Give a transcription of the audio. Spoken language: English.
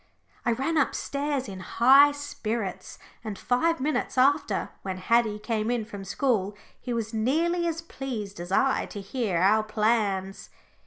I ran upstairs in high spirits, and five minutes after when Haddie came in from school he was nearly as pleased as I to hear our plans.